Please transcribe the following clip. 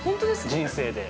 ◆人生で。